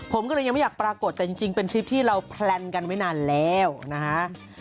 ผมก็เลยยังไม่อยากปรากฏแต่จริงเป็นทริปที่เราแพลนกันไว้นานแล้วนะฮะ